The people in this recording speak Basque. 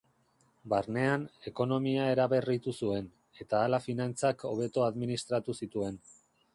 Barnean, ekonomia eraberritu zuen, eta hala finantzak hobeto administratu zituen.